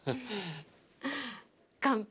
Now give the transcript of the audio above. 乾杯。